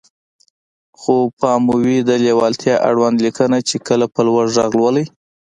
خو پام مو وي د ليوالتيا اړوند ليکنه چې کله په لوړ غږ لولئ.